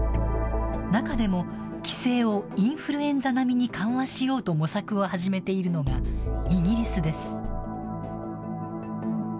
中でも規制をインフルエンザ並みに緩和しようと模索を始めているのがイギリスです。